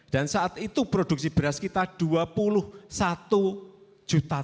dan saat itu produksi beras kita dua puluh satu